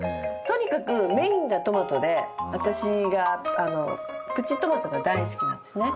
とにかくメインがトマトで私がプチトマトが大好きなんですね。